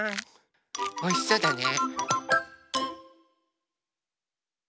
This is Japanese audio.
おいしそうだね。